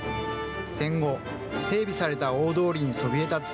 戦後、整備された大通りにそびえ立つ